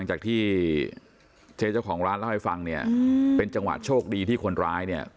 จากที่เจ๊เจ้าของร้านเล่าให้ฟังเนี่ยเป็นจังหวะโชคดีที่คนร้ายเนี่ย